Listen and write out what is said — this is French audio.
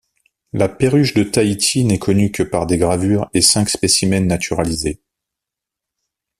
La perruche de Tahiti n'est connue que par des gravures et cinq spécimens naturalisés.